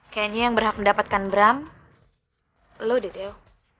kayaknya yang berhak mendapatkan bram lo deh dew